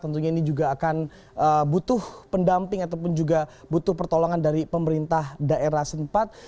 tentunya ini juga akan butuh pendamping ataupun juga butuh pertolongan dari pemerintah daerah sempat